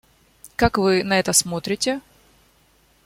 Как Вы на это смотрите?